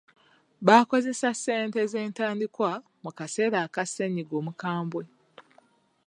Baakozesa ssente z'entandikwa mu kaseera aka ssenyiga omukambwe.